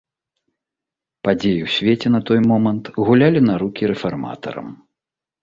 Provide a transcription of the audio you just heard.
Падзеі ў свеце на той момант гулялі на рукі рэфарматарам.